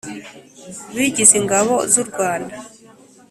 bigize ingabo z u Rwanda